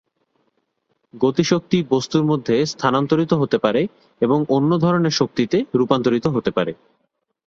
গতিশক্তি বস্তুর মধ্যে স্থানান্তরিত হতে পারে এবং অন্য ধরণের শক্তিতে রূপান্তরিত হতে পারে।